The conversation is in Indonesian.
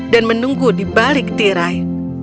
dan menunggu di balik tirai